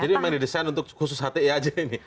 jadi memang didesain untuk khusus hti aja ini